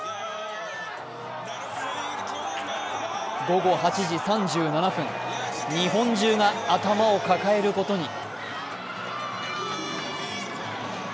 午後８時３７分、日本中が頭を抱えることに。